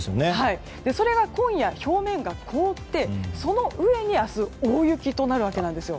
それが今夜表面が凍って、その上に明日大雪となるわけなんですよ。